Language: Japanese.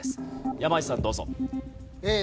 山内さんどうぞ。